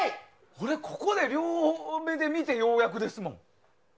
これ、ここで両目で見てようやくですもん。